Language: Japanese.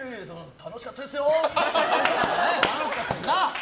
楽しかったですよ！